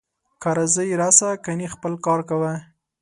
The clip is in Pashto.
که راځې راسه، کنې خپل کار کوه